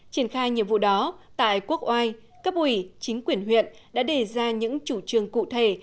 triển khai nhiệm vụ đó tại quốc oai cấp ủy chính quyền huyện đã đề ra những chủ trương cụ thể